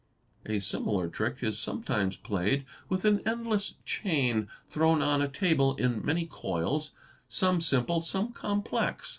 A similar trick is sometimes played with an endless chain thrown on a table in many coils, some simple, some complex.